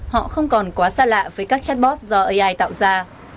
họ không còn quá xa lạ với các chatbot do ai tạo ra